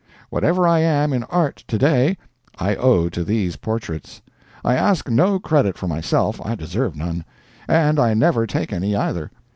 Whatever I am in Art today, I owe to these portraits. I ask no credit for myself I deserve none. And I never take any, either.